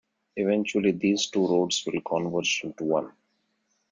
Eventually these two roads will converge into one.